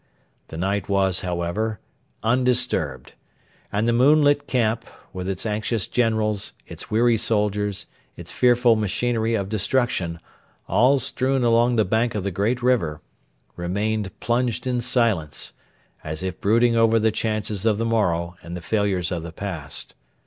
The night was, however, undisturbed; and the moonlit camp, with its anxious generals, its weary soldiers, its fearful machinery of destruction, all strewn along the bank of the great river, remained plunged in silence, as if brooding over the chances of the morrow and the failures of the past.